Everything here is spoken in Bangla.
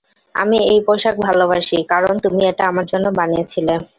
আমি এই পোষাক ভালবাসি, কারণ তুমি এটা আমার জন্য বানিয়েছিলে!